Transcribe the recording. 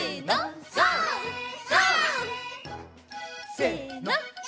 せの！